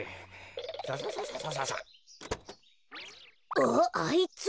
あっあいつは。